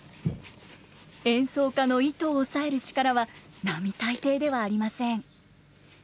演奏家の糸を押さえる力は並大抵ではありません。